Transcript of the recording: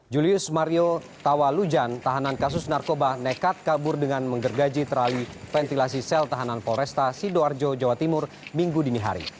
julius mario tawalujan tahanan kasus narkoba nekat kabur dengan menggergaji teralih ventilasi sel tahanan polresta sidoarjo jawa timur minggu dini hari